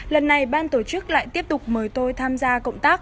lần này ban tổ chức lại tiếp tục mời tôi tham gia cộng tác